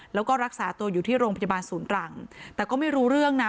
แล้วก็รักษาตัวอยู่ที่โรงพยาบาลศูนย์รังแต่ก็ไม่รู้เรื่องนะ